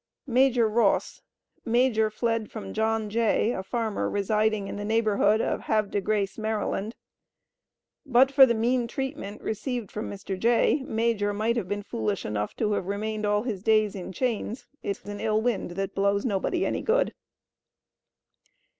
Major Ross. Major fled from John Jay, a farmer residing in the neighborhood of Havre de Grace, Md. But for the mean treatment received from Mr. Jay, Major might have been foolish enough to have remained all his days in chains. "It's an ill wind that blows nobody any good."